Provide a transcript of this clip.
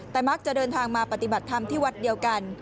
แต่มักจะเดินทางมาปฏิบัติธรรมที่วัดเดียวกัน